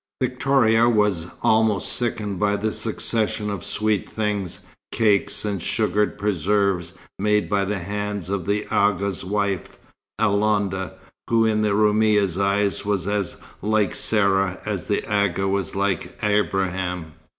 Victoria was almost sickened by the succession of sweet things, cakes and sugared preserves, made by the hands of the Agha's wife, Alonda, who in the Roumia's eyes was as like Sarah as the Agha was like Abraham.